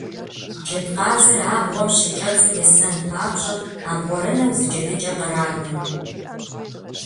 Джэдкъазыр абгъуэм щыкӏэцӏу есэн папщӏэ, абгъуэрынэу зы джэдыкӏэ къранэ.